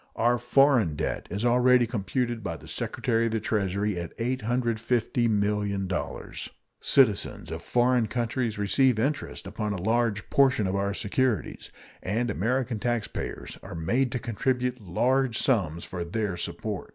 Our foreign debt is already computed by the Secretary of the Treasury at $850,000,000; citizens of foreign countries receive interest upon a large portion of our securities, and American taxpayers are made to contribute large sums for their support.